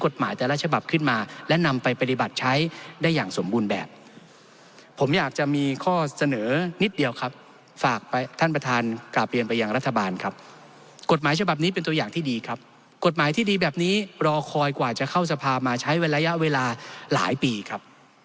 ฝากไปท่านประธานกราบเปลี่ยนไปอย่างรัฐบาลครับกฎหมายฉบับนี้เป็นตัวอย่างที่ดีครับกฎหมายที่ดีแบบนี้รอคอยกว่าจะเข้าสภาพมาใช้วันระยะเวลาหลายปีครับ